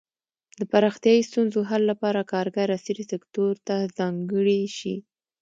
د پراختیايي ستونزو حل لپاره کارګر عصري سکتور ته ځانګړي شي.